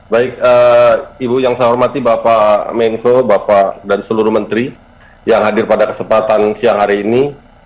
baik ibu yang saya hormati bapak menko bapak dan seluruh menteri yang hadir pada kesempatan siang hari ini